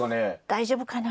大丈夫かな。